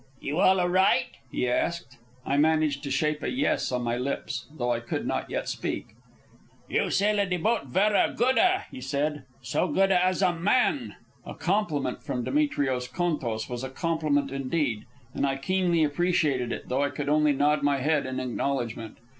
"You all a right?" he asked. I managed to shape a "yes" on my lips, though I could not yet speak. "You sail a de boat verr a good a," he said. "So good a as a man." A compliment from Demetrios Contos was a compliment indeed, and I keenly appreciated it, though I could only nod my head in acknowledgment.